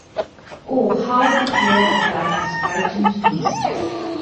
Oh, how the fear of that has frightened me!